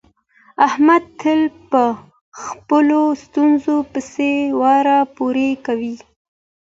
احمد تل په خپلو ستونزو پسې اور پورې کوي.